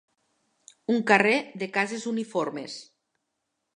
Un carrer de cases uniformes.